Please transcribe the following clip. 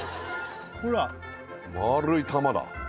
ほら丸い玉だ